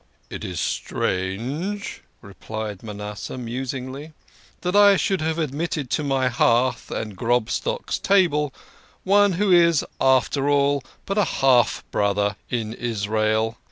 "It is strange," replied Manasseh musingly, "that I should have admitted to my hearth and Grobstock's table one who is, after all, but a half brother in Israel."